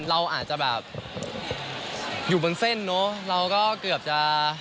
เราอาจจะแบบอยู่บนเส้นเนอะเราก็เกือบจะ